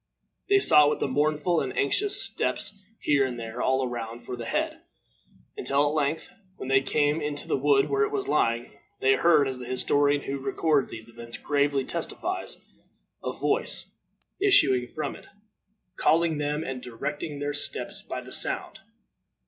They sought with mournful and anxious steps, here and there, all around, for the head, until at length, when they came into the wood where it was lying, they heard, as the historian who records these events gravely testifies, a voice issuing from it, calling them, and directing their steps by the sound.